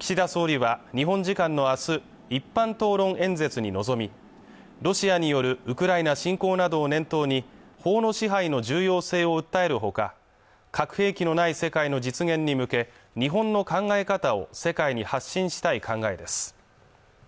岸田総理は日本時間のあす一般討論演説に臨みロシアによるウクライナ侵攻などを念頭に法の支配の重要性を訴えるほか核兵器のない世界の実現に向け日本の考え方を世界に発信したい考えです